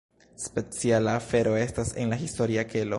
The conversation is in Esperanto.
Speciala afero estas en la historia kelo.